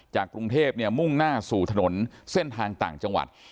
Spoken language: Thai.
กรุงเทพเนี่ยมุ่งหน้าสู่ถนนเส้นทางต่างจังหวัด